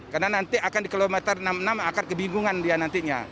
karena nanti akan di kilometer enam puluh enam akan kebingungan dia nantinya